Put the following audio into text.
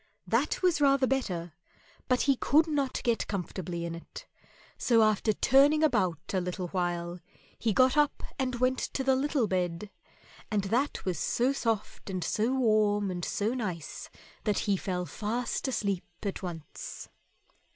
That was rather better, but he could not get comfortably in it, so after turning about a little while he got up and went to the little bed; and that was so soft and so warm and so nice that he fell fast asleep at once.